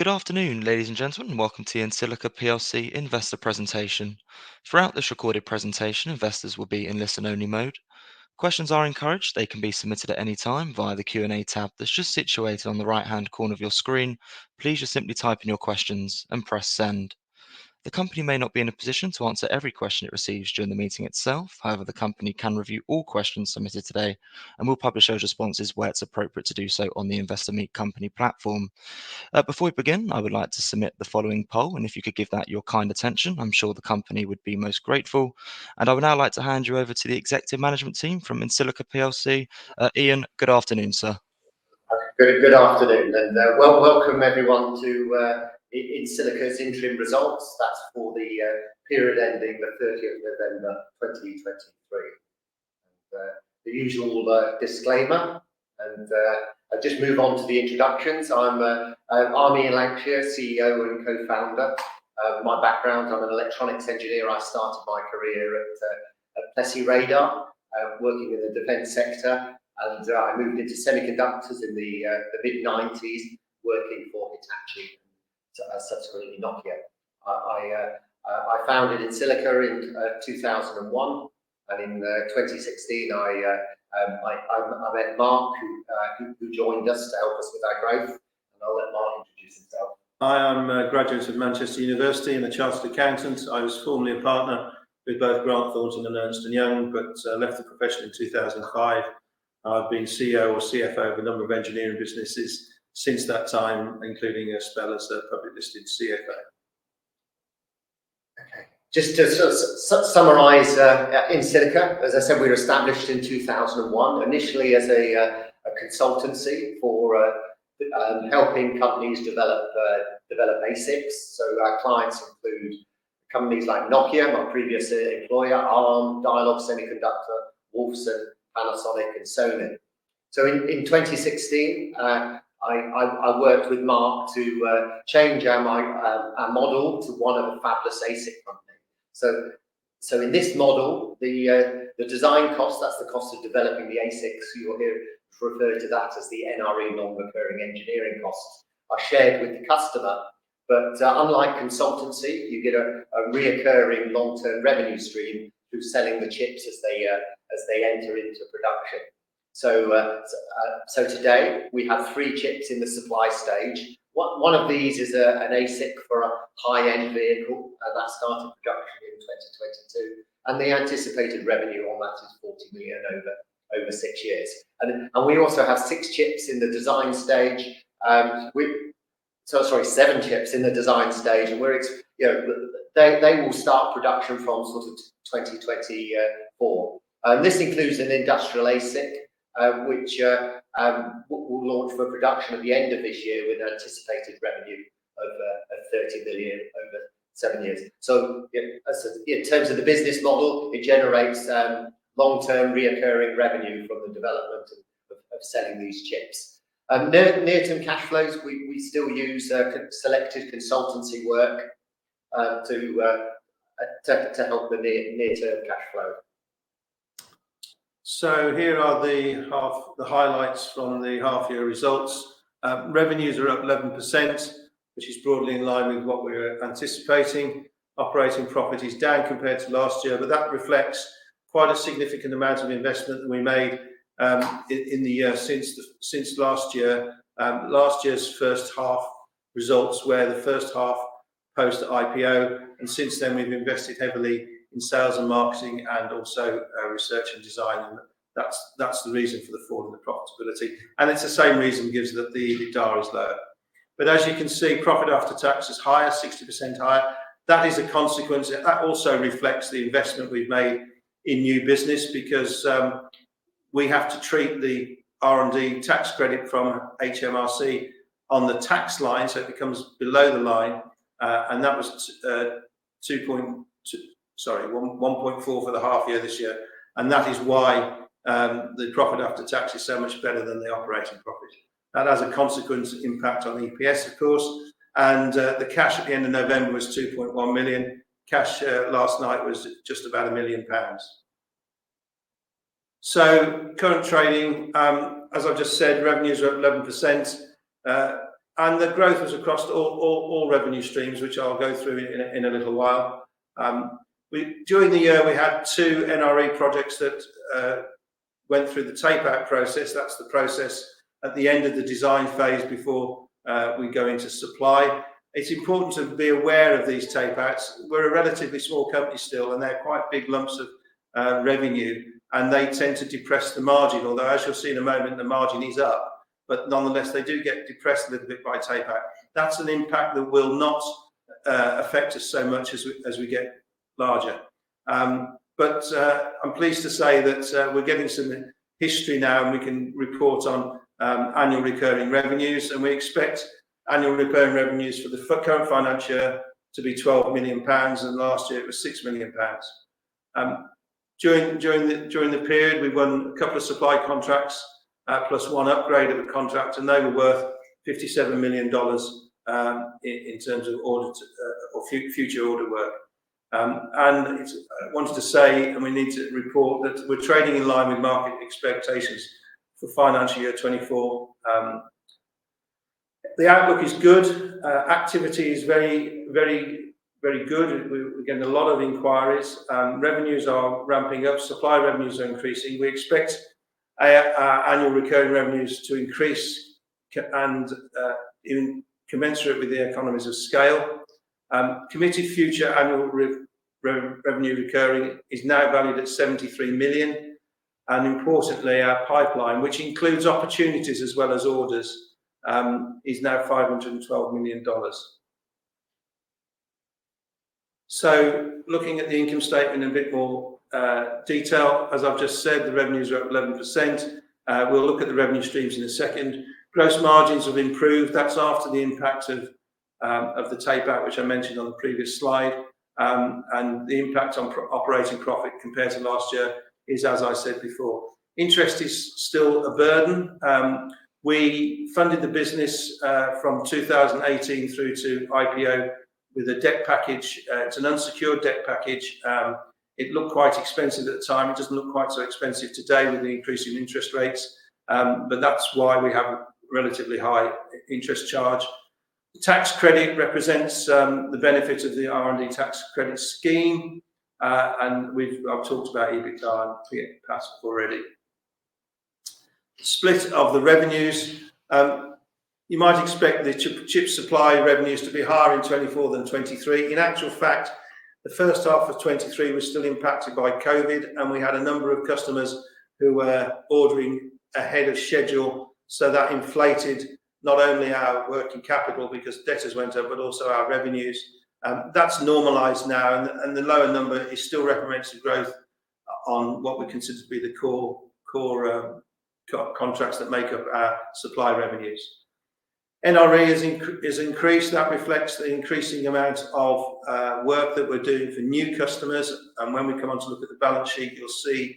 Good afternoon, ladies and gentlemen, and welcome to the EnSilica PLC investor presentation. Throughout this recorded presentation, investors will be in listen-only mode. Questions are encouraged; they can be submitted at any time via the Q&A tab that's just situated on the right-hand corner of your screen. Please just simply type in your questions and press send. The company may not be in a position to answer every question it receives during the meeting itself; however, the company can review all questions submitted today, and we'll publish those responses where it's appropriate to do so on the Investor Meet Company platform. Before we begin, I would like to submit the following poll, and if you could give that your kind attention, I'm sure the company would be most grateful. I would now like to hand you over to the executive management team from EnSilica PLC. Ian, good afternoon, sir. Good afternoon. Welcome everyone to EnSilica's interim results. That's for the period ending the 30th of November, 2023. And the usual disclaimer, and I'll just move on to the introductions. I'm Ian Lankshear, CEO and co-founder. My background: I'm an electronics engineer. I started my career at Plessey Radar, working in the defense sector. And I moved into semiconductors in the mid-90s, working for Hitachi and subsequently Nokia. I founded EnSilica in 2001, and in 2016, I met Mark, who joined us to help us with our growth. And I'll let Mark introduce himself. Hi. I'm a graduate of Manchester University and a chartered accountant. I was formerly a partner with both Grant Thornton and Ernst & Young, but left the profession in 2005. I've been CEO or CFO of a number of engineering businesses since that time, including Sellers publicly listed CFO. Okay. Just to sort of summarize, EnSilica, as I said, we were established in 2001, initially as a consultancy for helping companies develop ASICs. So our clients include companies like Nokia, my previous employer, Arm, Dialog Semiconductor, Wolfson, Panasonic, and Sony. So in 2016, I worked with Mark to change our model to one of a fabless ASIC company. So in this model, the design cost—that's the cost of developing the ASICs. You'll hear referred to that as the NRE, non-recurring engineering costs—are shared with the customer. But unlike consultancy, you get a recurring long-term revenue stream through selling the chips as they enter into production. So today we have three chips in the supply stage. One of these is an ASIC for a high-end vehicle that started production in 2022. The anticipated revenue on that is 40 million over 6 years. And we also have 6 chips in the design stage, with—seven chips in the design stage. And we're ex—you know, they will start production from sort of 2024. This includes an industrial ASIC, which we'll launch for production at the end of this year with anticipated revenue of 30 million over 7 years. So yeah, in terms of the business model, it generates long-term recurring revenue from the development of selling these chips. Near-term cash flows, we still use selective consultancy work to help the near-term cash flow. So here are the half the highlights from the half-year results. Revenues are up 11%, which is broadly in line with what we were anticipating. Operating profit is down compared to last year, but that reflects quite a significant amount of investment that we made in the since last year. Last year's first half results were the first half post-IPO. And since then, we've invested heavily in sales and marketing and also research and design. And that's the reason for the fall in the profitability. And it's the same reason that the EBITDA is lower. But as you can see, profit after tax is higher, 60% higher. That is a consequence. That also reflects the investment we've made in new business because we have to treat the R&D tax credit from HMRC on the tax line, so it becomes below the line. That was 2.2—sorry—1.4 for the half-year this year. That is why the profit after tax is so much better than the operating profit. That has a consequent impact on EPS, of course. The cash at the end of November was 2.1 million. Cash last night was just about 1 million pounds. So current trading, as I've just said, revenues are up 11%. The growth was across all, all, all revenue streams, which I'll go through in a little while. We, during the year, we had two NRE projects that went through the tape-out process. That's the process at the end of the design phase before we go into supply. It's important to be aware of these tape-outs. We're a relatively small company still, and they're quite big lumps of revenue. They tend to depress the margin, although, as you'll see in a moment, the margin is up. But nonetheless, they do get depressed a little bit by tape-out. That's an impact that will not affect us so much as we get larger. But I'm pleased to say that we're getting some history now, and we can report on annual recurring revenues. And we expect annual recurring revenues for the current financial year to be 12 million pounds. And last year, it was 6 million pounds. During the period, we won a couple of supply contracts, plus one upgrade of a contract, and they were worth $57 million in terms of future order work. And I wanted to say, and we need to report, that we're trading in line with market expectations for financial year 2024. The outlook is good. Activity is very, very, very good. We're getting a lot of inquiries. Revenues are ramping up. Supply revenues are increasing. We expect annual recurring revenues to increase and even commensurate with the economies of scale. Committed future annual recurring revenue is now valued at $73 million. And importantly, our pipeline, which includes opportunities as well as orders, is now $512 million. So looking at the income statement in a bit more detail, as I've just said, the revenues are up 11%. We'll look at the revenue streams in a second. Gross margins have improved. That's after the impacts of the tape-out, which I mentioned on the previous slide. And the impact on operating profit compared to last year is, as I said before. Interest is still a burden. We funded the business from 2018 through to IPO with a debt package. It's an unsecured debt package. It looked quite expensive at the time. It doesn't look quite so expensive today with the increasing interest rates. But that's why we have a relatively high interest charge. The tax credit represents the benefits of the R&D tax credit scheme. And I've talked about EBITDA and PAT already. Split of the revenues. You might expect the chip supply revenues to be higher in 2024 than 2023. In actual fact, the first half of 2023 was still impacted by COVID, and we had a number of customers who were ordering ahead of schedule. So that inflated not only our working capital because debtors went up, but also our revenues. That's normalized now. And the lower number is still reflective of growth on what we consider to be the core contracts that make up our supply revenues. NRE has increased. That reflects the increasing amount of work that we're doing for new customers. When we come on to look at the balance sheet, you'll see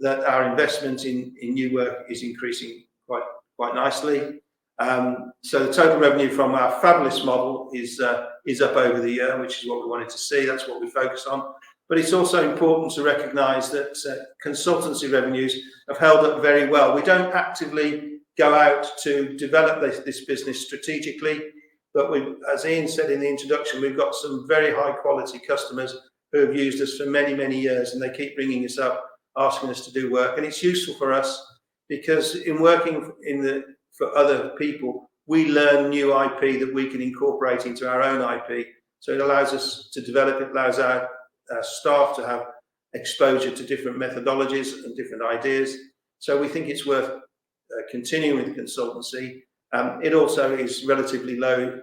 that our investment in new work is increasing quite nicely. So the total revenue from our fabless model is up over the year, which is what we wanted to see. That's what we focus on. But it's also important to recognize that consultancy revenues have held up very well. We don't actively go out to develop this business strategically. But we've, as Ian said in the introduction, got some very high-quality customers who have used us for many, many years, and they keep ringing us up, asking us to do work. And it's useful for us because in working for other people, we learn new IP that we can incorporate into our own IP. So it allows us to develop. It allows our staff to have exposure to different methodologies and different ideas. So we think it's worth continuing with consultancy. It also is relatively low.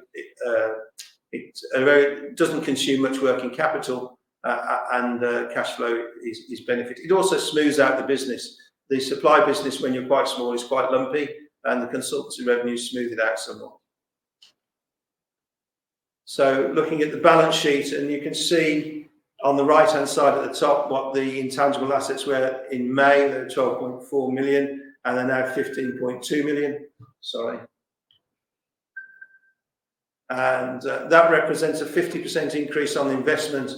It's very. It doesn't consume much working capital, and cash flow is beneficial. It also smooths out the business. The supply business, when you're quite small, is quite lumpy, and the consultancy revenues smooth it out somewhat. So looking at the balance sheet, and you can see on the right-hand side at the top what the intangible assets were in May. They were 12.4 million, and they're now 15.2 million. Sorry. And that represents a 50% increase on the investment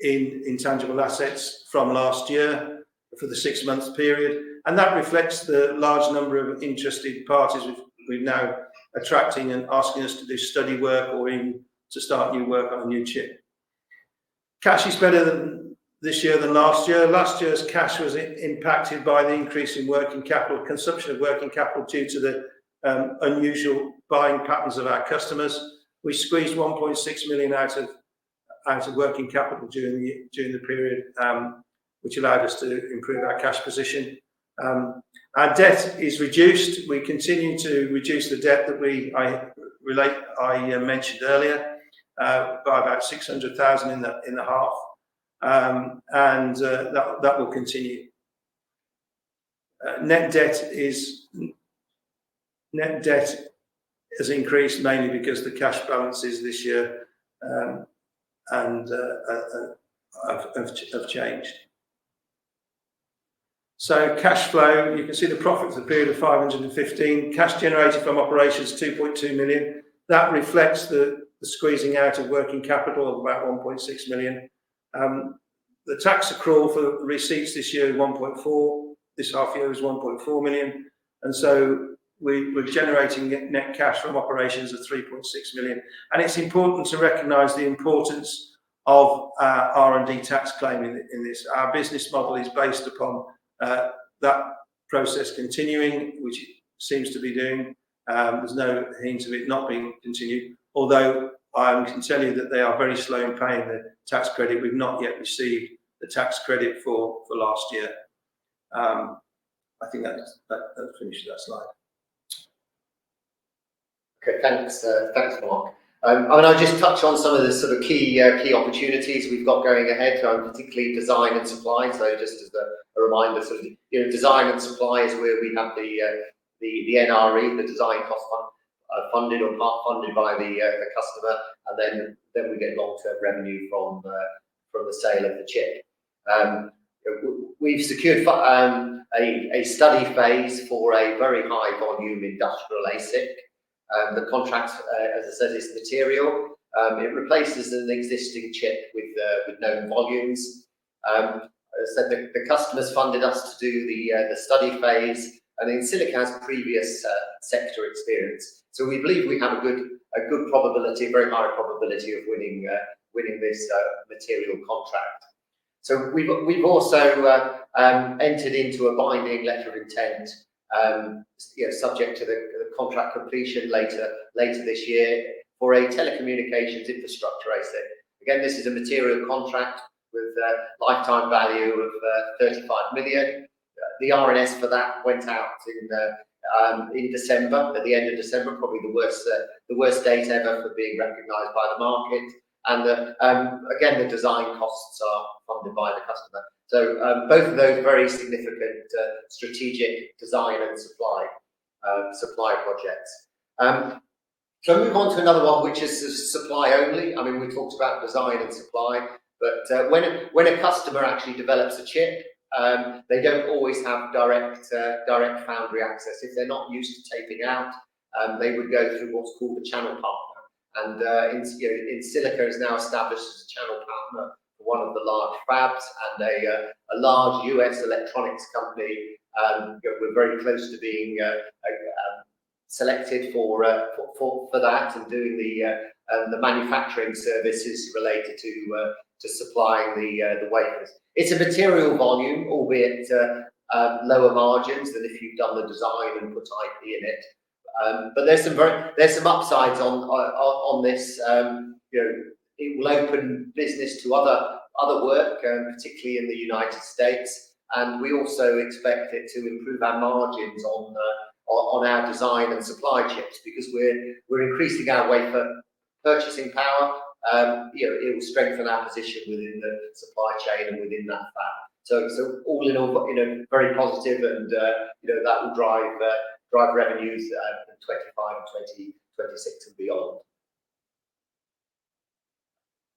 in intangible assets from last year for the six-month period. That reflects the large number of interested parties we've now attracting and asking us to do study work or in to start new work on a new chip. Cash is better this year than last year. Last year's cash was impacted by the increase in working capital, consumption of working capital due to the unusual buying patterns of our customers. We squeezed 1.6 million out of working capital during the period, which allowed us to improve our cash position. Our debt is reduced. We continue to reduce the debt that we mentioned earlier, by about 600,000 in the half. That will continue. Net debt has increased mainly because the cash balances this year have changed. So cash flow, you can see the profit for the period of 515. Cash generated from operations is 2.2 million. That reflects the squeezing out of working capital of about 1.6 million. The tax accrual for receipts this year is 1.4 million. This half-year is 1.4 million. And so we're generating net cash from operations of 3.6 million. And it's important to recognize the importance of the R&D tax claim in this. Our business model is based upon that process continuing, which it seems to be doing. There's no hints of it not being continued, although I can tell you that they are very slow in paying the tax credit. We've not yet received the tax credit for last year. I think that's finished that slide. Okay. Thanks, thanks, Mark. I mean, I'll just touch on some of the sort of key, key opportunities we've got going ahead. So I'm particularly design and supply. So just as a, a reminder, sort of, you know, design and supply is where we have the, the, the NRE, the design cost funded or part-funded by the, the customer. And then, then we get long-term revenue from, from the sale of the chip. You know, we've secured a, a study phase for a very high-volume industrial ASIC. The contract, as I said, is material. It replaces an existing chip with, with known volumes. As I said, the, the customer funded us to do the, the study phase. And EnSilica has previous sector experience. So we believe we have a good, a good probability, a very high probability of winning, winning this material contract. So we've also entered into a binding letter of intent, you know, subject to the contract completion later this year for a telecommunications infrastructure ASIC. Again, this is a material contract with lifetime value of 35 million. The RNS for that went out in December, at the end of December, probably the worst date ever for being recognized by the market. And again, the design costs are funded by the customer. So both of those very significant strategic design and supply projects. Can we move on to another one, which is supply only? I mean, we talked about design and supply. But when a customer actually develops a chip, they don't always have direct foundry access. If they're not used to taping out, they would go through what's called a channel partner. As you know, Elke Snijder is now established as a channel partner for one of the large fabs. And they, a large US electronics company, you know, we're very close to being selected for that and doing the manufacturing services related to supplying the wafers. It's a material volume, albeit lower margins than if you've done the design and put IP in it. But there are some upsides on this. You know, it will open business to other work, particularly in the United States. And we also expect it to improve our margins on our design and supply chips because we're increasing our wafer purchasing power. You know, it will strengthen our position within the supply chain and within that fab. So all in all, you know, very positive. You know, that will drive revenues in 2025, 2026, and beyond.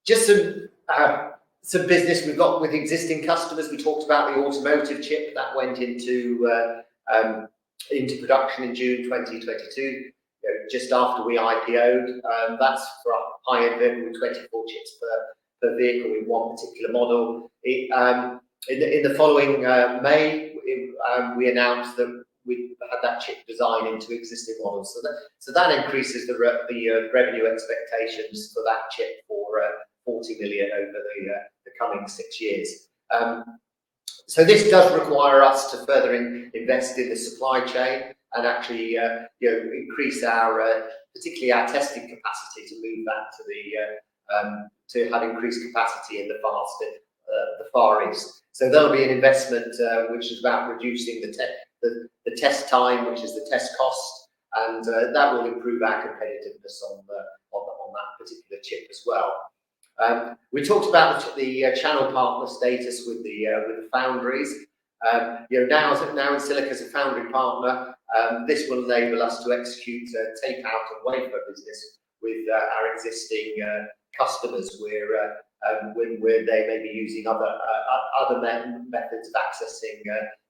Just some business we've got with existing customers. We talked about the automotive chip that went into production in June 2022, you know, just after we IPOed. That's for our high-end vehicle. We're 24 chips per vehicle in one particular model. It, in the following May, we announced that we had that chip designed into existing models. So that increases the revenue expectations for that chip for 40 million over the coming six years. So this does require us to further invest in the supply chain and actually, you know, increase our, particularly our testing capacity to move that to the, to have increased capacity in the Far East. So there'll be an investment, which is about reducing the test time, which is the test cost. And that will improve our competitiveness on the on the on that particular chip as well. We talked about the channel partner status with the with the foundries. You know, now Elke Snijder is a foundry partner, this will enable us to execute tape-out and wafer business with our existing customers where when where they may be using other other methods of accessing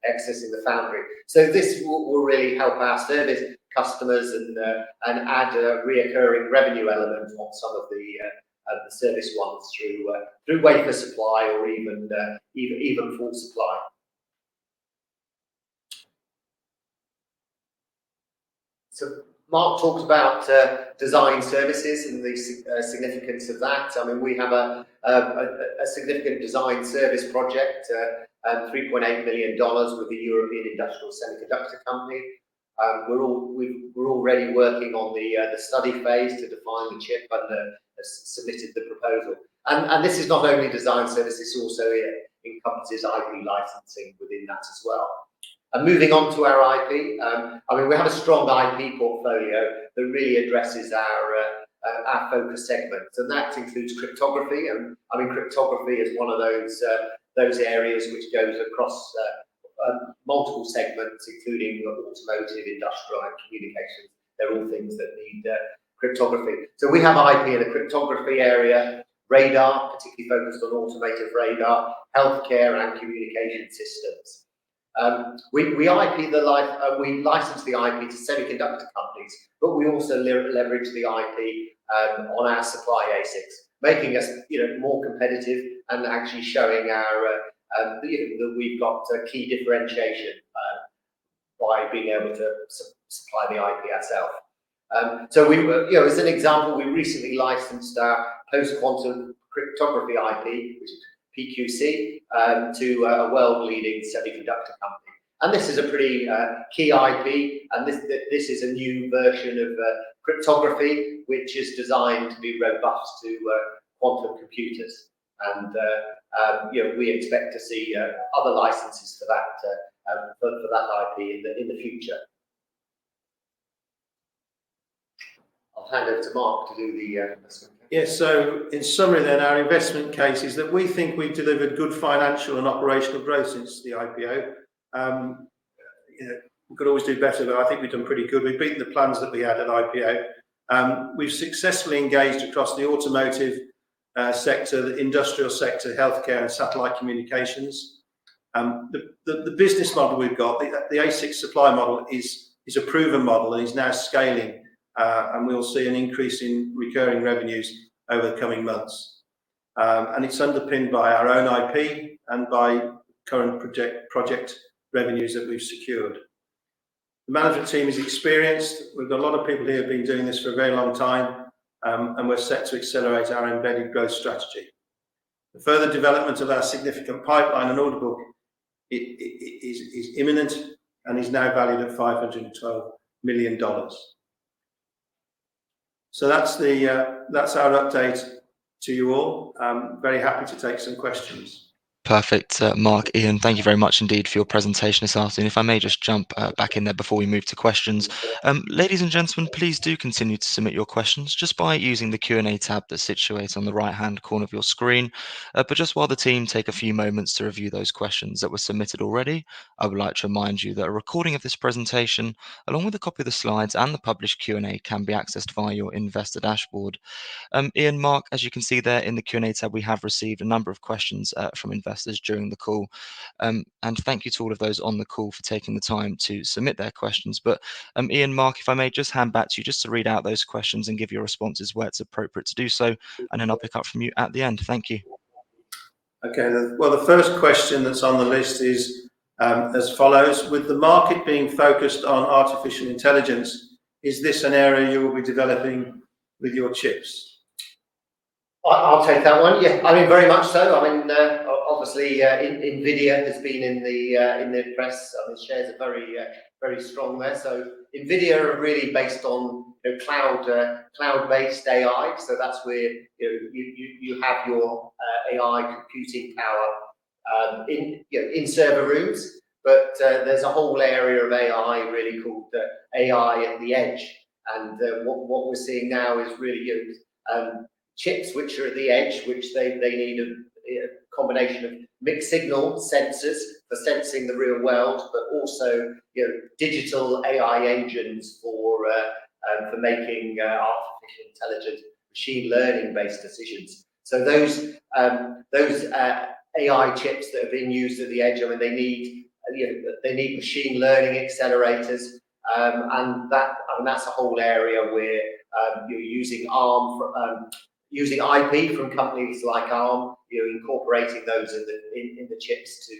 accessing the foundry. So this would really help our service customers and and add a recurring revenue element on some of the the service ones through through wafer supply or even even even full supply. So Mark talked about design services and the significance of that. I mean, we have a significant design service project, $3.8 million with the European Industrial Semiconductor Company. We're already working on the study phase to define the chip, and we have submitted the proposal. And this is not only design service. It's also, it encompasses IP licensing within that as well. And moving on to our IP, I mean, we have a strong IP portfolio that really addresses our focus segments. And that includes cryptography. And I mean, cryptography is one of those areas which goes across multiple segments, including automotive, industrial, and communications. They're all things that need cryptography. So we have IP in a cryptography area, radar, particularly focused on automotive radar, healthcare, and communication systems. We develop the IP we license to semiconductor companies. But we also leverage the IP on our supply ASICs, making us, you know, more competitive and actually showing our, you know, that we've got key differentiation by being able to supply the IP ourselves. So you know, as an example, we recently licensed our post-quantum cryptography IP, which is PQC, to a world-leading semiconductor company. And this is a pretty key IP. And this is a new version of cryptography, which is designed to be robust to quantum computers. And, you know, we expect to see other licenses for that IP in the future. I'll hand over to Mark to do the sweet cake. Yeah. So in summary, then, our investment case is that we think we've delivered good financial and operational growth since the IPO. You know, we could always do better. But I think we've done pretty good. We've beaten the plans that we had at IPO. We've successfully engaged across the automotive sector, the industrial sector, healthcare, and satellite communications. The business model we've got, the ASIC supply model is a proven model and is now scaling. And we'll see an increase in recurring revenues over the coming months. And it's underpinned by our own IP and by current project revenues that we've secured. The management team is experienced. We've got a lot of people here who've been doing this for a very long time. And we're set to accelerate our embedded growth strategy. The further development of our significant pipeline and order book, it is imminent and is now valued at $512 million. So that's our update to you all. Very happy to take some questions. Perfect, Mark, Ian. Thank you very much indeed for your presentation this afternoon. If I may just jump back in there before we move to questions. Ladies and gentlemen, please do continue to submit your questions just by using the Q&A tab that's situated on the right-hand corner of your screen. But just while the team take a few moments to review those questions that were submitted already, I would like to remind you that a recording of this presentation, along with a copy of the slides and the published Q&A, can be accessed via your investor dashboard. Ian, Mark, as you can see there in the Q&A tab, we have received a number of questions from investors during the call. Thank you to all of those on the call for taking the time to submit their questions. Ian, Mark, if I may just hand back to you just to read out those questions and give your responses where it's appropriate to do so. Then I'll pick up from you at the end. Thank you. Okay. Well, the first question that's on the list is, as follows: With the market being focused on artificial intelligence, is this an area you will be developing with your chips? I'll take that one. Yeah. I mean, very much so. I mean, obviously, NVIDIA has been in the press. I mean, shares are very, very strong there. So NVIDIA are really based on, you know, cloud-based AI. So that's where, you know, you have your AI computing power, in, you know, in server rooms. But there's a whole area of AI really called AI at the edge. And what we're seeing now is really, you know, chips which are at the edge, which they need a combination of mixed signal sensors for sensing the real world, but also, you know, digital AI engines for making artificial intelligence machine learning-based decisions. So those AI chips that have been used at the edge, I mean, they need, you know, they need machine learning accelerators. and that, I mean, that's a whole area where you're using Arm for using IP from companies like Arm, you know, incorporating those in the chips to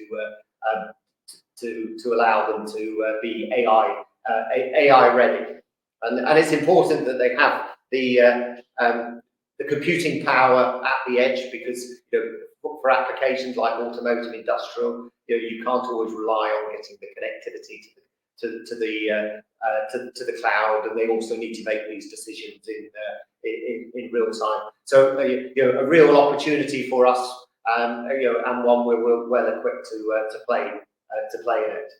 allow them to be AI ready. And it's important that they have the computing power at the edge because, you know, for applications like automotive, industrial, you know, you can't always rely on getting the connectivity to the cloud. And they also need to make these decisions in real time. So, you know, a real opportunity for us, you know, and one where we're well-equipped to play in it.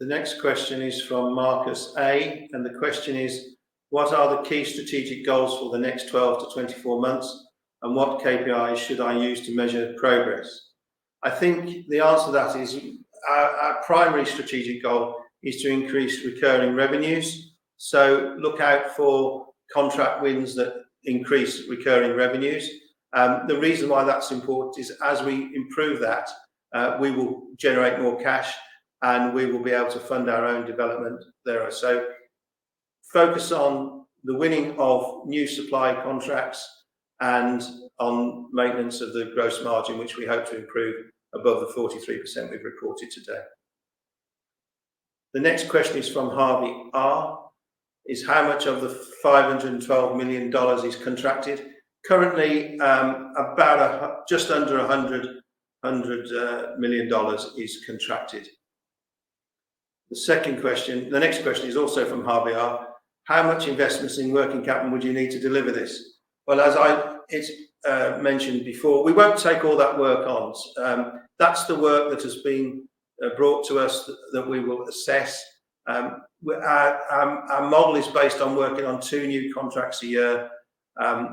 The next question is from Marcus A. The question is: What are the key strategic goals for the next 12-24 months? And what KPIs should I use to measure progress? I think the answer to that is, our primary strategic goal is to increase recurring revenues. So look out for contract wins that increase recurring revenues. The reason why that's important is, as we improve that, we will generate more cash. And we will be able to fund our own development there. So focus on the winning of new supply contracts and on maintenance of the gross margin, which we hope to improve above the 43% we've reported today. The next question is from Harvey R. Is how much of the $512 million is contracted? Currently, just under $100 million is contracted. The second question, the next question, is also from Harvey R. How much investment in working capital would you need to deliver this? Well, as it's mentioned before, we won't take all that work on. That's the work that has been brought to us that we will assess. Our model is based on working on two new contracts a year.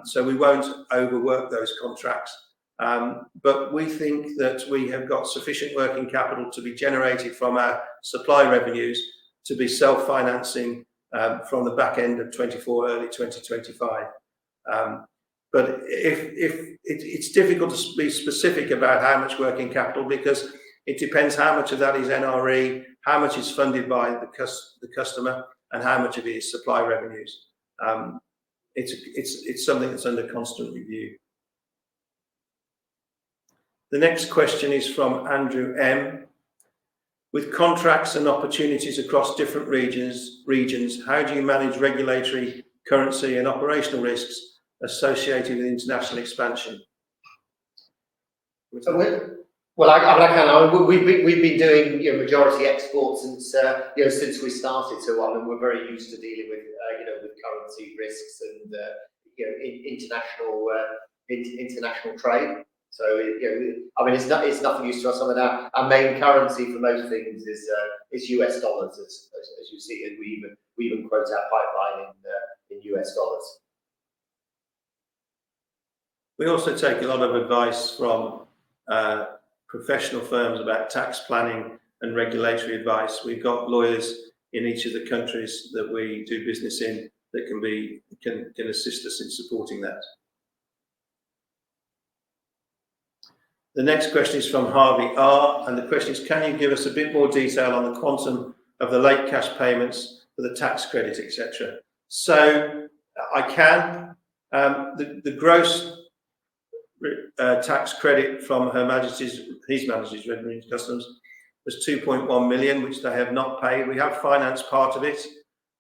So we won't overwork those contracts. But we think that we have got sufficient working capital to be generated from our supply revenues to be self-financing, from the back end of 2024, early 2025. But if it's difficult to be specific about how much working capital because it depends how much of that is NRE, how much is funded by the customer, and how much of it is supply revenues. It's something that's under constant review. The next question is from Andrew M. With contracts and opportunities across different regions, how do you manage regulatory, currency, and operational risks associated with international expansion? So we're well, I mean, I can't know. We've been doing, you know, majority exports since, you know, since we started. So I mean, we're very used to dealing with, you know, with currency risks and, you know, international trade. So, you know, we, I mean, it's not nothing new to us. I mean, our main currency for most things is US dollars, as you see. And we even quote our pipeline in US dollars. We also take a lot of advice from professional firms about tax planning and regulatory advice. We've got lawyers in each of the countries that we do business in that can assist us in supporting that. The next question is from Harvey R. And the question is: Can you give us a bit more detail on the quantum of the late cash payments for the tax credit, etc.? So I can. The gross R&D tax credit from His Majesty's Revenue and Customs was 2.1 million, which they have not paid. We have financed part of it,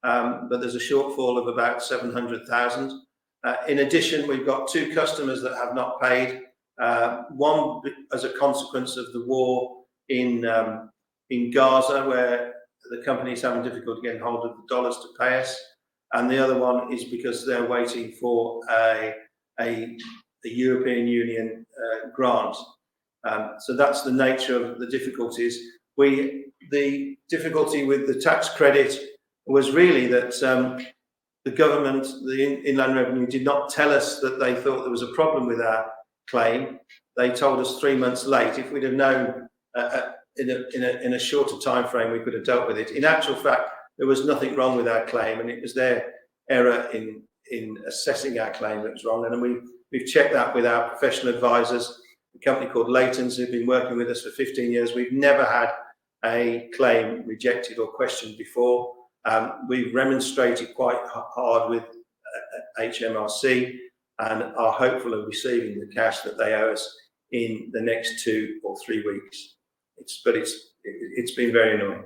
but there's a shortfall of about 700,000. In addition, we've got two customers that have not paid, one as a consequence of the war in Gaza where the company's having difficulty getting hold of the dollars to pay us. The other one is because they're waiting for a European Union grant. So that's the nature of the difficulties. Well, the difficulty with the tax credit was really that the government, the Inland Revenue, did not tell us that they thought there was a problem with our claim. They told us three months late. If we'd have known in a shorter timeframe, we could have dealt with it. In actual fact, there was nothing wrong with our claim. And it was their error in assessing our claim that was wrong. And then we've checked that with our professional advisors, a company called Leyton who've been working with us for 15 years. We've never had a claim rejected or questioned before. We've remonstrated quite hard with HMRC and are hopeful of receiving the cash that they owe us in the next two or three weeks. It's, but it's been very annoying.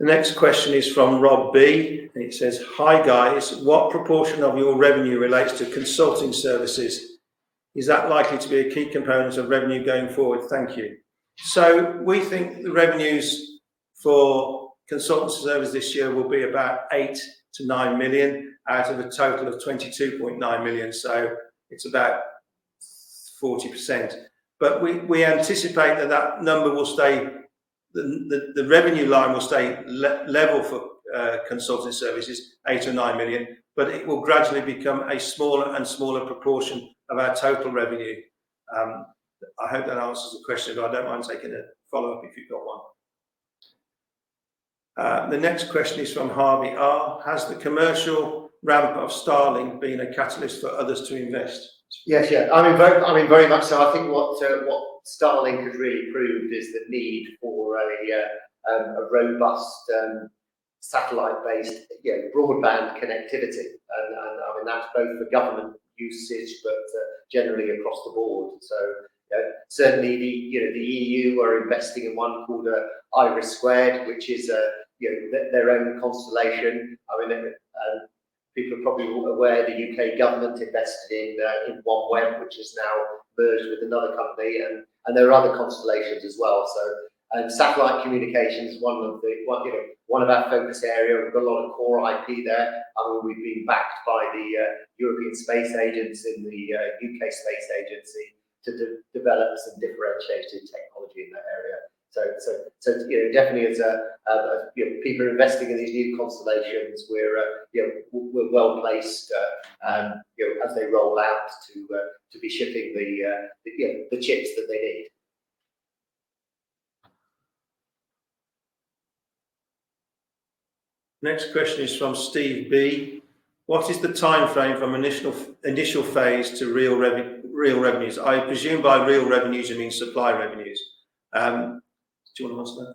The next question is from Rob B. It says: Hi, guys. What proportion of your revenue relates to consulting services? Is that likely to be a key component of revenue going forward? Thank you. So we think the revenues for consulting services this year will be about 8 million-9 million out of a total of 22.9 million. So it's about 40%. But we anticipate that that number will stay the revenue line will stay level for consulting services, 8 million or 9 million. But it will gradually become a smaller and smaller proportion of our total revenue. I hope that answers the question. But I don't mind taking a follow-up if you've got one. The next question is from Harvey R. Has the commercial ramp of Starlink been a catalyst for others to invest? Yes. Yeah. I mean, very I mean, very much so. I think what Starlink has really proved is the need for a robust, satellite-based, you know, broadband connectivity. And I mean, that's both for government usage but generally across the board. So, you know, certainly the EU are investing in one called IRIS², which is, you know, their own constellation. I mean, people are probably aware the UK government invested in OneWeb, which has now merged with another company. And there are other constellations as well. So satellite communication is one of our focus areas. We've got a lot of core IP there. I mean, we've been backed by the European Space Agency and the UK Space Agency to develop some differentiated technology in that area. So, you know, definitely, as you know, people are investing in these new constellations. We're, you know, well-placed, you know, as they roll out to be shipping the you know, the chips that they need. Next question is from Steve B. What is the timeframe from initial phase to real revenues? I presume by real revenues, you mean supply revenues. Do you wanna answer that?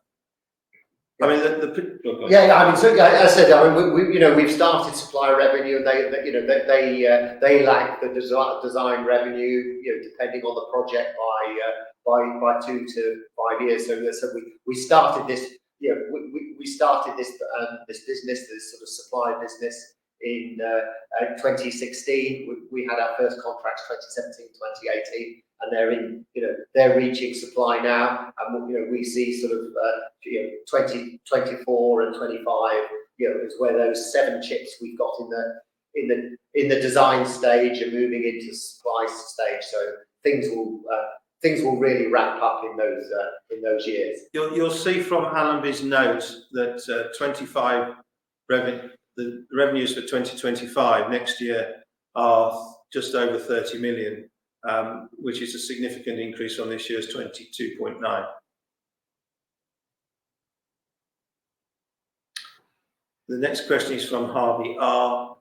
I mean, go ahead. Yeah. I mean, certainly I said that. I mean, we, you know, we've started supply revenue. And they, you know, they lack the design revenue, you know, depending on the project by 2-5 years. So there, so we started this you know, we started this business, this sort of supply business in 2016. We had our first contracts 2017, 2018. And they're in you know, they're reaching supply now. And, you know, we see sort of, you know, 2024 and 2025, you know, is where those 7 chips we've got in the design stage are moving into supply stage. So things will really wrap up in those years. You'll see from Allenby's notes that 2025 revenue the revenues for 2025 next year are just over 30 million, which is a significant increase on this year's 22.9 million. The next question is from Harvey R.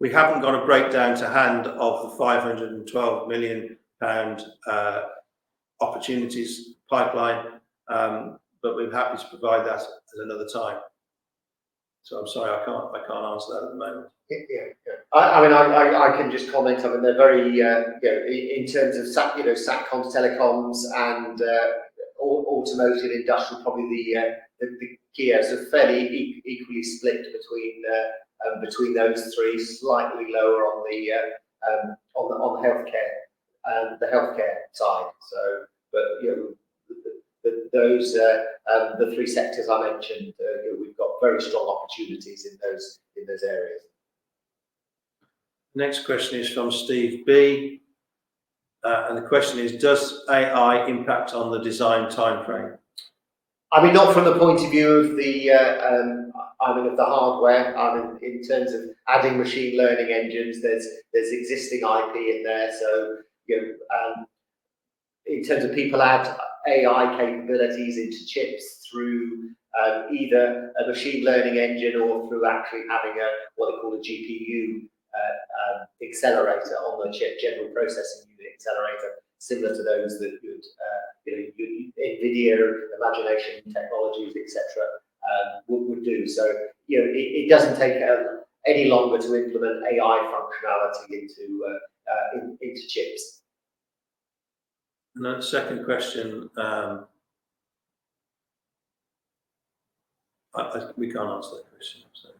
We haven't got a breakdown to hand of the 512 million pound opportunities pipeline, but we're happy to provide that at another time. So I'm sorry. I can't I can't answer that at the moment. Yeah. Yeah. Yeah. I mean, I can just comment. I mean, they're very, you know, in terms of sat, you know, satcoms, telecoms, and automotive, industrial, probably the gears are fairly equally split between those three, slightly lower on the healthcare side. So but, you know, those three sectors I mentioned, you know, we've got very strong opportunities in those areas. Next question is from Steve B. and the question is: Does AI impact on the design timeframe? I mean, not from the point of view of the, I mean, of the hardware. I mean, in terms of adding machine learning engines, there's existing IP in there. So, you know, in terms of people add AI capabilities into chips through, either a machine learning engine or through actually having a what they call a GPU, accelerator on the chip, general processing unit accelerator, similar to those that you would, you know, you NVIDIA Imagination Technologies, etc., would do. So, you know, it doesn't take any longer to implement AI functionality into into chips. That second question, we can't answer that question. I'm sorry.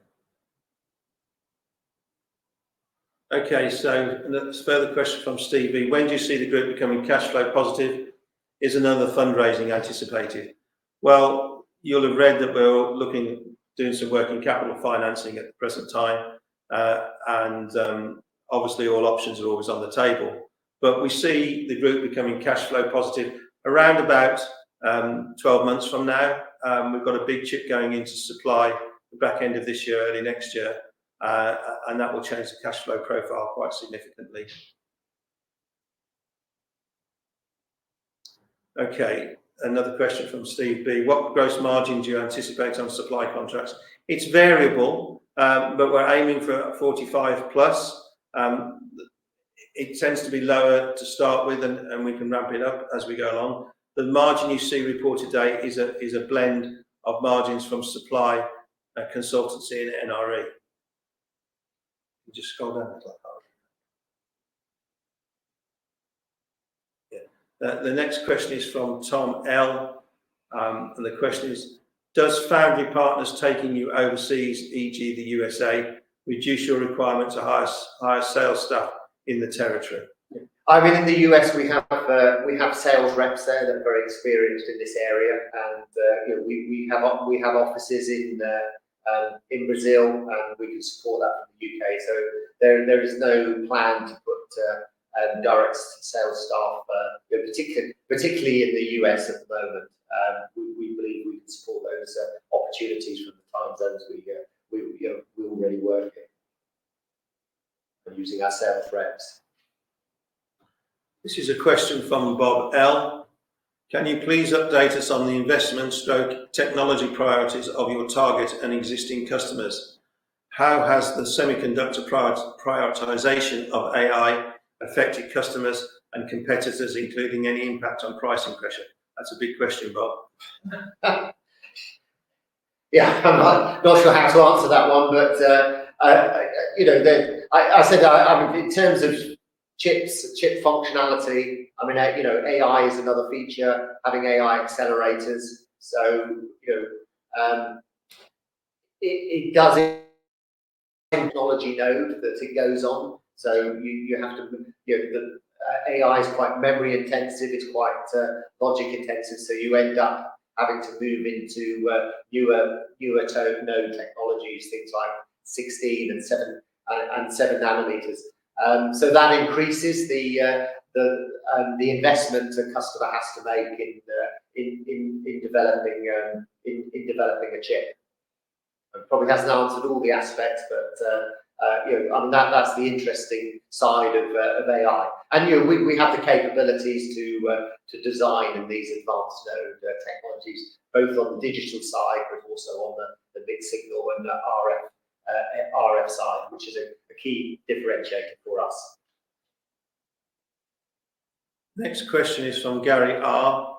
Okay. That further question from Steve B. When do you see the group becoming cash flow positive? Is another fundraising anticipated? Well, you'll have read that we're looking doing some working capital financing at the present time. And, obviously, all options are always on the table. But we see the group becoming cash flow positive around about 12 months from now. We've got a big chip going into supply the back end of this year, early next year. And that will change the cash flow profile quite significantly. Okay. Another question from Steve B. What gross margin do you anticipate on supply contracts? It's variable. But we're aiming for a 45%+. It tends to be lower to start with. And we can ramp it up as we go along. The margin you see reported today is a blend of margins from supply, consultancy and NRE. You just scroll down. Yeah. The next question is from Tom L. and the question is: Does foundry partners taking you overseas, e.g., the USA, reduce your requirements to highest sales staff in the territory? Yeah. I mean, in the US, we have sales reps there that are very experienced in this area. And, you know, we have offices in Brazil. And we can support that from the UK. So there is no plan to put direct sales staff, you know, particularly in the US at the moment. We believe we can support those opportunities from the time zones we, you know, we're already working and using our sales reps. This is a question from Bob L. Can you please update us on the investment/technology priorities of your target and existing customers? How has the semiconductor prioritization of AI affected customers and competitors, including any impact on pricing pressure? That's a big question, Bob. Yeah. I'm not sure how to answer that one. But, you know, there, I said that I mean, in terms of chips and chip functionality, I mean, you know, AI is another feature, having AI accelerators. So, you know, it does. Technology node that it goes on. So you have to, you know, the AI is quite memory-intensive. It's quite logic-intensive. So you end up having to move into newer node technologies, things like 16 and 7 and 7 nanometers. So that increases the investment a customer has to make in developing a chip. I probably haven't answered all the aspects. But, you know, I mean, that's the interesting side of AI. You know, we have the capabilities to design in these advanced node technologies, both on the digital side but also on the mixed signal and the RF side, which is a key differentiator for us. Next question is from Gary R.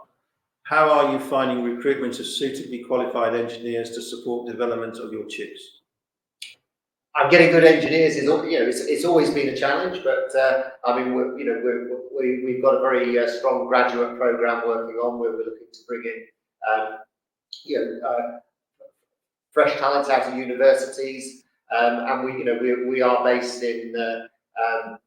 How are you finding recruitment of suitably qualified engineers to support development of your chips? Hiring good engineers is all, you know, it's always been a challenge. But, I mean, we're, you know, we're, we've got a very strong graduate program working on where we're looking to bring in, you know, fresh talent out of universities. And we, you know, we are based in, you know,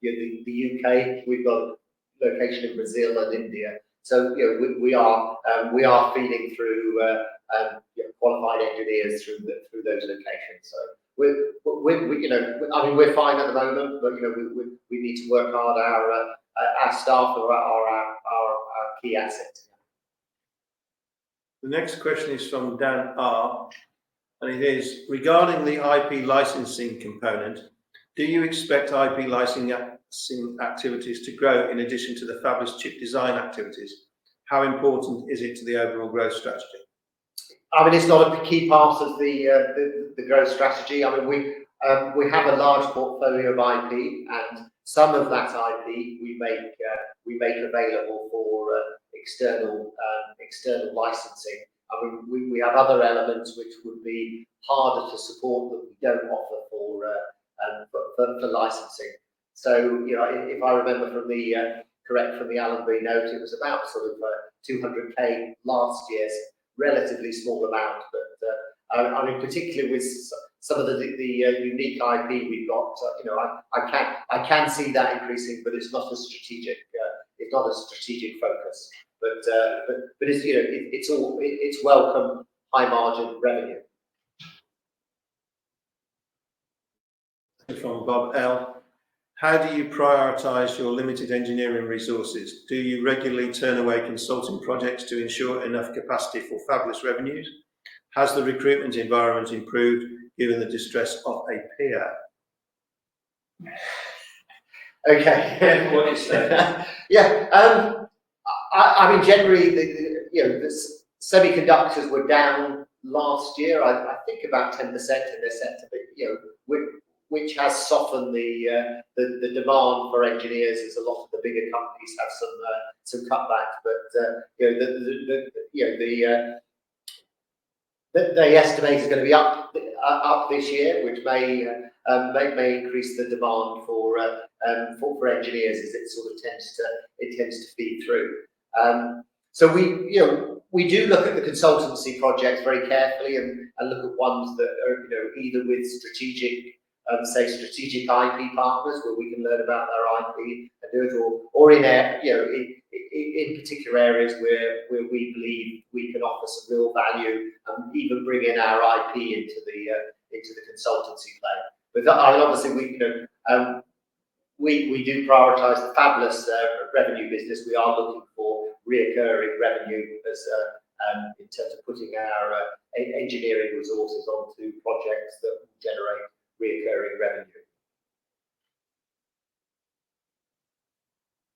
the U.K. We've got location in Brazil and India. So, you know, we are feeding through, you know, qualified engineers through those locations. So we're, you know, I mean, we're fine at the moment. But, you know, we need to work hard. Our staff are our key asset. Yeah. The next question is from Dan R. It is: Regarding the IP licensing component, do you expect IP licensing activities to grow in addition to the fabless chip design activities? How important is it to the overall growth strategy? I mean, it's not a key part of the growth strategy. I mean, we have a large portfolio of IP. And some of that IP, we make available for external licensing. I mean, we have other elements which would be harder to support that we don't offer for licensing. So, you know, if I remember correctly from the Allenby note, it was about sort of 200,000 last year, relatively small amount. But, I mean, particularly with some of the unique IP we've got, you know, I can see that increasing. But it's not a strategic focus. But it's, you know, it's all welcome high-margin revenue. Thank you from Bob L. How do you prioritize your limited engineering resources? Do you regularly turn away consulting projects to ensure enough capacity for fabless revenues? Has the recruitment environment improved given the distress of a peer? Okay. What do you say? Yeah. I mean, generally, the semiconductors were down last year. I think about 10% in their sector. But, you know, which has softened the demand for engineers as a lot of the bigger companies have some cutbacks. But, you know, the estimate is gonna be up this year, which may increase the demand for engineers as it sort of tends to feed through. So we, you know, we do look at the consultancy projects very carefully and look at ones that are, you know, either with strategic, say, strategic IP partners where we can learn about their IP and do it all or in a you know, in particular areas where we believe we can offer some real value and even bring in our IP into the, into the consultancy plan. But, I mean, obviously, we, you know, we, we do prioritize the fabless revenue business. We are looking for recurring revenue as, in terms of putting our engineering resources onto projects that generate recurring revenue.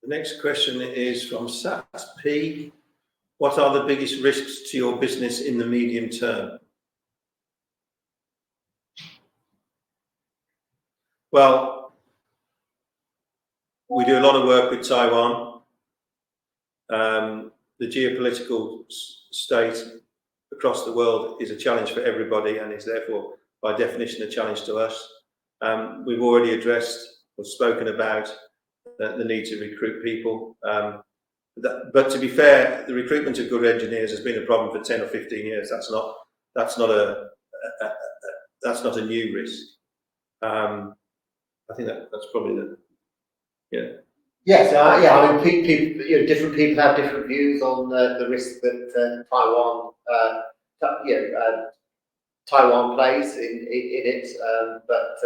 The next question is from Sats P. What are the biggest risks to your business in the medium term? Well, we do a lot of work with Taiwan. The geopolitical state across the world is a challenge for everybody and is therefore, by definition, a challenge to us. We've already addressed or spoken about the need to recruit people. That, but to be fair, the recruitment of good engineers has been a problem for 10 or 15 years. That's not a new risk. I think that's probably the, yeah. Yes. Yeah. I mean, people you know, different people have different views on the risk that Taiwan, you know, Taiwan plays in it. But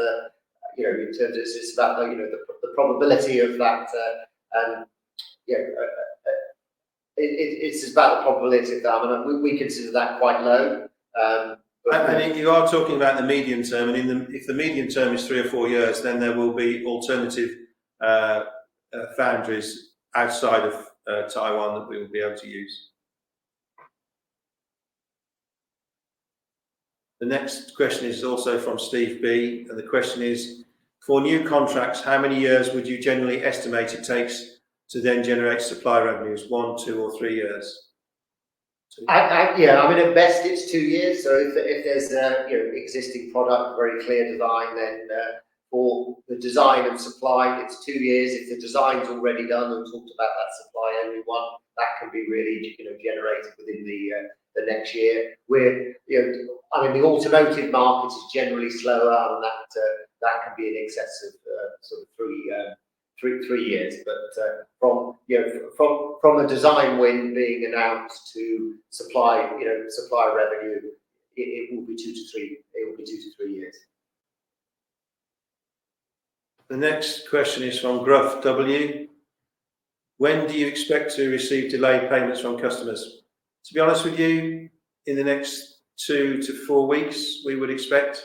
you know, in terms of it's just about the, you know, the probability of that, you know, it's just about the probability of that. I mean, we consider that quite low. But. You are talking about the medium term. And if the medium term is three or four years, then there will be alternative foundries outside of Taiwan that we will be able to use. The next question is also from Steve B. The question is: For new contracts, how many years would you generally estimate it takes to then generate supply revenues? One, two, or three years? Yeah. I mean, at best, it's 2 years. So if there's a, you know, existing product, very clear design, then for the design and supply, it's 2 years. If the design's already done and talked about that supply only one, that can be really, you know, generated within the next year. We're, you know, I mean, the automotive market is generally slower on that. That can be in excess of sort of 3 years. But, you know, from a design win being announced to supply, you know, supply revenue, it will be 2-3. It will be 2-3 years. The next question is from Gruff W. When do you expect to receive delayed payments from customers? To be honest with you, in the next 2-4 weeks, we would expect,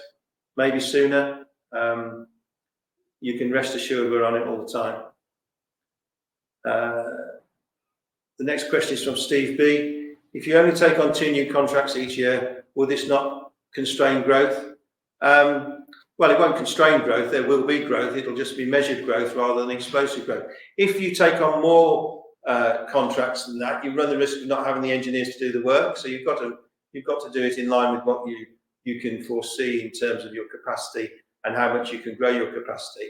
maybe sooner. You can rest assured we're on it all the time. The next question is from Steve B. If you only take on 2 new contracts each year, will this not constrain growth? Well, it won't constrain growth. There will be growth. It'll just be measured growth rather than explosive growth. If you take on more contracts than that, you run the risk of not having the engineers to do the work. So you've got to do it in line with what you can foresee in terms of your capacity and how much you can grow your capacity.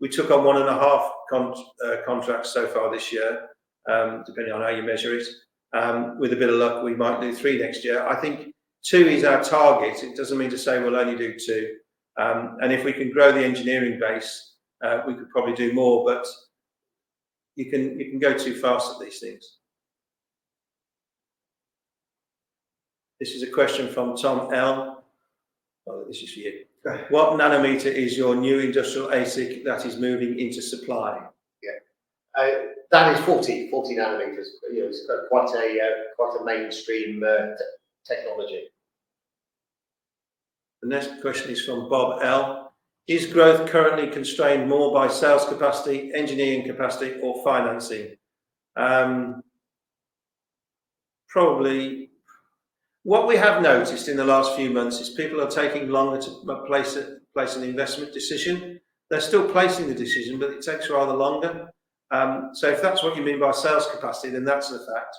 We took on 1.5 con contracts so far this year, depending on how you measure it. With a bit of luck, we might do 3 next year. I think 2 is our target. It doesn't mean to say we'll only do 2. And if we can grow the engineering base, we could probably do more. But you can you can go too fast at these things. This is a question from Tom L. Well, this is for you. What nanometer is your new industrial ASIC that is moving into supply? Yeah, that is 40, 40 nanometers. You know, it's quite a, quite a mainstream technology. The next question is from Bob L. Is growth currently constrained more by sales capacity, engineering capacity, or financing? Probably. What we have noticed in the last few months is people are taking longer to place an investment decision. They're still placing the decision. But it takes rather longer. So if that's what you mean by sales capacity, then that's the fact.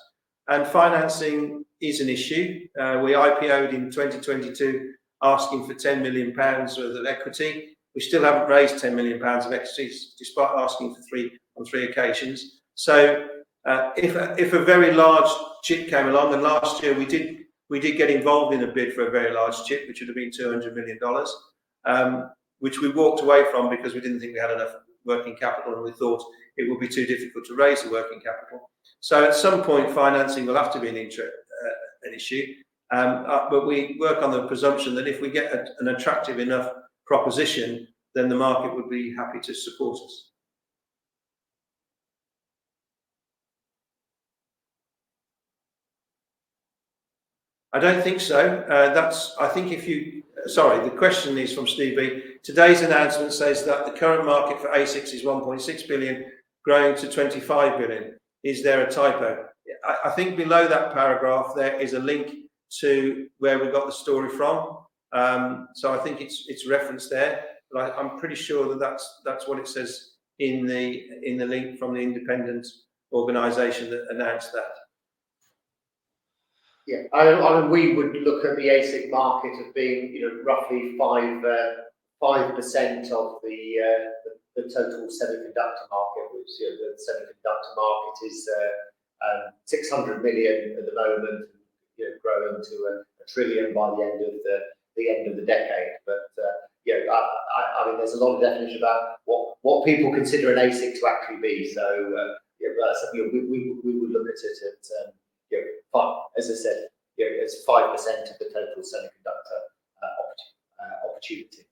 And financing is an issue. We IPO'd in 2022 asking for 10 million pounds of equity. We still haven't raised 10 million pounds of equities despite asking for three on three occasions. So, if a very large chip came along and last year, we did get involved in a bid for a very large chip, which would have been $200 million, which we walked away from because we didn't think we had enough working capital. And we thought it would be too difficult to raise the working capital. So at some point, financing will have to be an interest issue. But we work on the presumption that if we get an attractive enough proposition, then the market would be happy to support us. I don't think so. That's – I think if you – sorry. The question is from Steve B. Today's announcement says that the current market for ASICs is $1.6 billion, growing to $25 billion. Is there a typo? I think below that paragraph, there is a link to where we got the story from. So I think it's referenced there. But I'm pretty sure that that's what it says in the link from the independent organization that announced that. Yeah. I mean, we would look at the ASIC market as being, you know, roughly 5% of the total semiconductor market, which, you know, the semiconductor market is $600 million at the moment and, you know, growing to $1 trillion by the end of the decade. But, yeah. I mean, there's a lot of definition about what people consider an ASIC to actually be. So, yeah. But, you know, we would look at it, you know, as I said, you know, as 5% of the total semiconductor opportunity.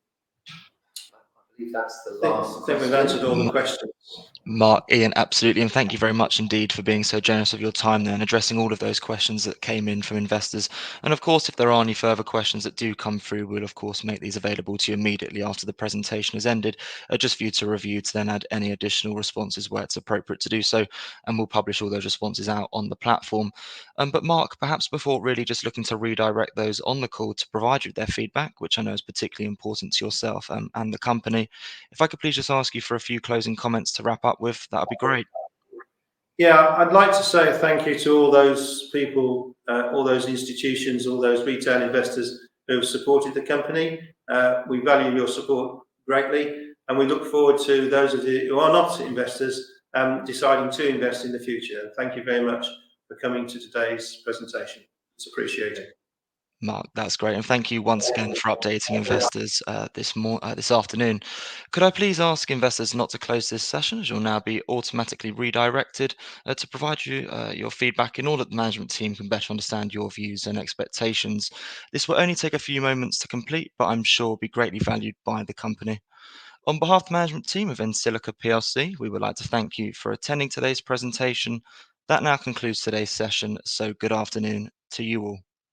I believe that's the last. I think we've answered all the questions. Mark, Ian, absolutely. And thank you very much indeed for being so generous of your time there and addressing all of those questions that came in from investors. And, of course, if there are any further questions that do come through, we'll, of course, make these available to you immediately after the presentation has ended, just for you to review to then add any additional responses where it's appropriate to do so. And we'll publish all those responses out on the platform. But Mark, perhaps before really just looking to redirect those on the call to provide you with their feedback, which I know is particularly important to yourself, and the company, if I could please just ask you for a few closing comments to wrap up with, that would be great. Yeah. I'd like to say thank you to all those people, all those institutions, all those retail investors who have supported the company. We value your support greatly. And we look forward to those of you who are not investors, deciding to invest in the future. Thank you very much for coming to today's presentation. It's appreciated. Mark, that's great. And thank you once again for updating investors this afternoon. Could I please ask investors not to close this session as you'll now be automatically redirected to provide you your feedback in order the management team can better understand your views and expectations? This will only take a few moments to complete, but I'm sure it'll be greatly valued by the company. On behalf of the management team of EnSilica PLC, we would like to thank you for attending today's presentation. That now concludes today's session. So good afternoon to you all.